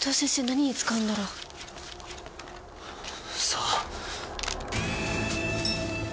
何に使うんだろう？さあ。